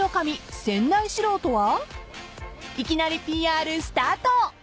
［いきなりＰＲスタート］